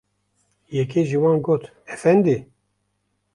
Yekê ji wan got: Efendî!